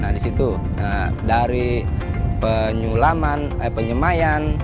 nah disitu dari penyulaman eh penyemayan